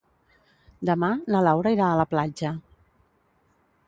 Demà na Laura irà a la platja.